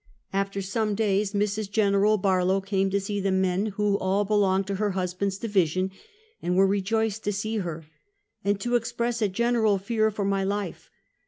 After some days, Mrs. Gen. Barlow came to see the men who all belonged to her husband's division, and were I'ejoiced to see her; and to express a general fear for my life.